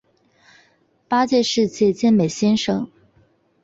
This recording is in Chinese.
八届世界健美先生。